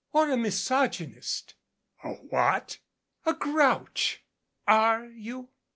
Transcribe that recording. "Or a misogynist?" "A what?" "A grouch. Are you?"